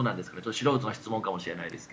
素人の質問かもしれませんが。